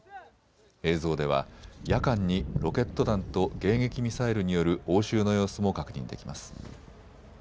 映像では夜間にロケット弾と迎撃ミサイルによる応酬の様子も確認できます。